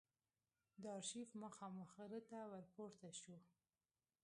د آرشیف مخامخ غره ته ور پورته شوو.